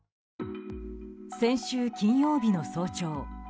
先週金曜日の早朝